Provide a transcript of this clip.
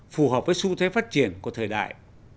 phù hợp với xu thế phát triển của thời đại